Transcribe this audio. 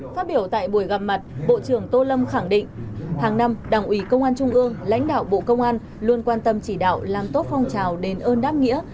phát biểu tại buổi gặp mặt bộ trưởng tô lâm khẳng định hàng năm đảng ủy công an trung ương lãnh đạo bộ công an luôn quan tâm chỉ đạo làm tốt phong trào đền ơn đáp nghĩa